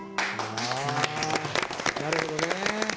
なるほどね。